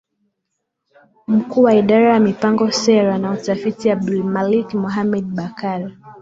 Mkuu wa Idara ya Mipango Sera na Utafiti ni Abdulmalik Mohamed Bakar